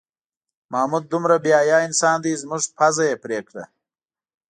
محمود دومره بې حیا انسان دی زموږ پوزه یې پرې کړه.